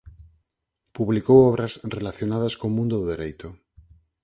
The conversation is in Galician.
Publicou obras relacionadas co mundo do dereito.